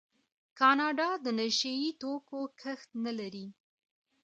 کاناډا د نشه یي توکو کښت نلري.